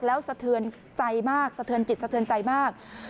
แล้วสะเทือนใจมากสะเทือนจิตสะเทือนใจมาก